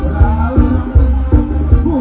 เวลาที่สุดท้าย